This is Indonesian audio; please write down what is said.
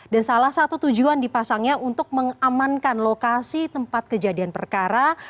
dan salah satu tujuan dipasangnya untuk mengamankan lokasi tempat kejadian perkara